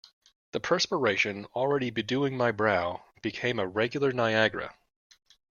The perspiration, already bedewing my brow, became a regular Niagara.